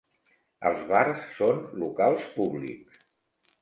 Els bars són locals públics.